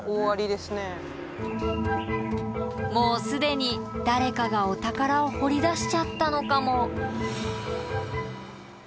もう既に誰かがお宝を掘り出しちゃったのかも。